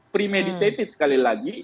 premeditated sekali lagi